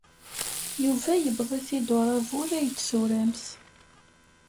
Yuba yewweḍ-it uṛabul ay d-turamt.